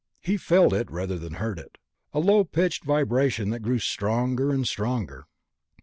He felt it rather than heard it, a low pitched vibration that grew stronger and stronger.